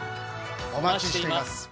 お待ちしています。